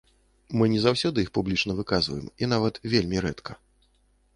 Мы не заўсёды іх публічна выказваем, і нават вельмі рэдка.